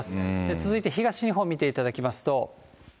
続いて東日本見ていただきますと。